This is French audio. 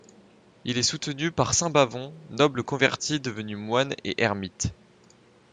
Il est soutenu par saint Bavon, noble converti devenu moine et ermite.